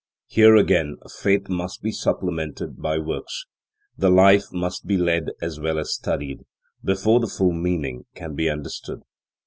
Here again faith must be supplemented by works, the life must be led as well as studied, before the full meaning can be understood.